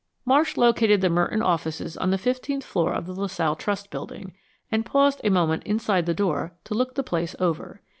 Marsh located the Merton offices on the fifteenth floor of the La Salle Trust Building, and paused a moment inside the door to look the place over.